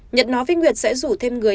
nhật nói với nguyệt sẽ rủ thêm người